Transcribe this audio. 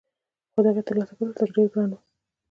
خو دهغې ترلاسه کول ورته ډېر ګران وو